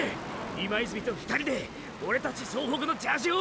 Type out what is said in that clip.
今泉と２人でオレたち総北のジャージを！